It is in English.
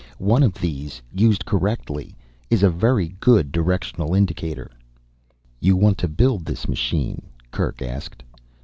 One of these, used correctly, is a very good directional indicator." "You want to build this machine?" Kerk asked.